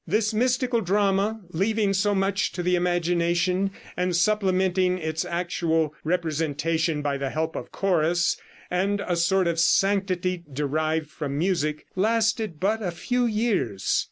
This mystical drama, leaving so much to the imagination, and supplementing its actual representation by the help of chorus and a sort of sanctity derived from music, lasted but a few years.